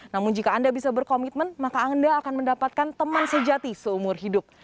namun jika anda bisa berkomitmen maka anda akan mendapatkan teman sejati seumur hidup